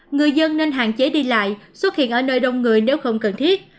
người dân nên hạn chế đi lại xuất hiện ở nơi đông người nếu không cần thiết